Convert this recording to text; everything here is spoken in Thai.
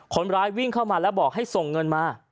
คนร้ายวิ่งเข้ามาแล้วบอกให้ส่งเงินมา